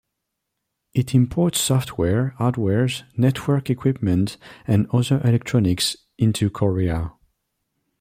It imports software, hardware, network equipment and other electronics into Korea.